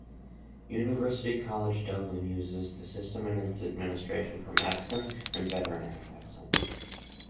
University College Dublin uses the system in its admission for Medicine and Veterinary Medicine.